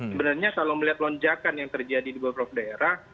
sebenarnya kalau melihat lonjakan yang terjadi di beberapa daerah